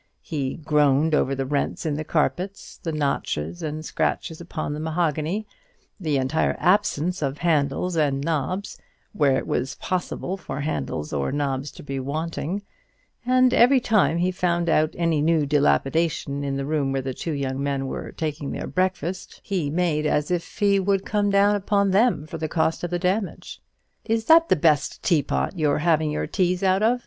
He groaned over the rents in the carpets, the notches and scratches upon the mahogany, the entire absence of handles and knobs wherever it was possible for handles or knobs to be wanting; and every time he found out any new dilapidation in the room where the two young men were taking their breakfast, he made as if he would have come down upon them for the cost of the damage. "Is that the best teapot you're a having your teas out of?